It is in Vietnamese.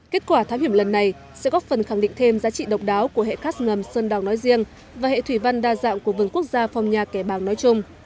kết quả thám hiểm lần này sẽ góp phần khẳng định thêm giá trị độc đáo của hệ khát ngầm sơn đòn nói riêng và hệ thủy văn đa dạng của vườn quốc gia phong nha kẻ bàng nói chung